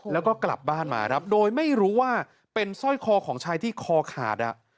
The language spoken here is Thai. แล้วก็กลับบ้านมาครับโดยไม่รู้ว่าเป็นสร้อยคอของชายที่คอขาด